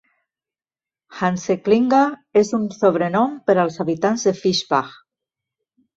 "Hanseklinger" és un sobrenom per als habitants de Fischbach.